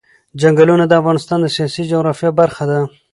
چنګلونه د افغانستان د سیاسي جغرافیه برخه ده.